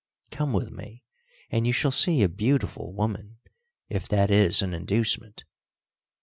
Come with me and you shall see a beautiful woman, if that is an inducement."